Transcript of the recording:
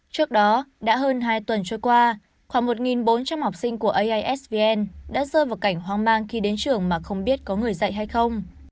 trước đó đã hơn hai tuần trôi qua khoảng một bốn trăm linh học sinh của aisvn đã rơi vào cảnh hoang mang khi đến trường mà không biết có người dạy hay không